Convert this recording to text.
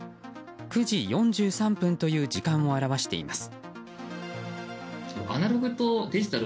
９時４３分という時間を表しています。